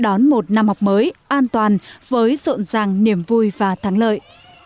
đón một năm học mới an toàn với rộn ràng niềm vui và thắng lợi